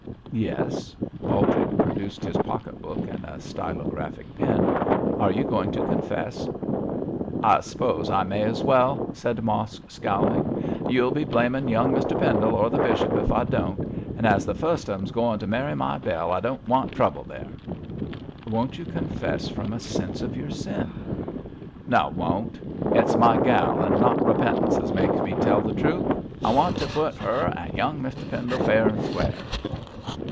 'Yes!' Baltic produced his pocket book and a stylographic pen. 'Are you going to confess?' 'I'spose I may as well,' said Mosk, scowling. 'You'll be blaming young Mr Pendle, or the bishop, if I don't; an' as the fust of 'em's goin' to marry my Bell, I don't want trouble there.' 'Won't you confess from a sense of your sin?' 'No, I won't. It's my gal and not repentance as makes me tell the truth. I want to put her an' young Mr Pendle fair and square.'